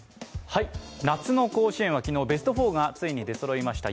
夏の甲子園は昨日、ベスト４がついに出そろいました。